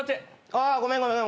・あごめんごめん。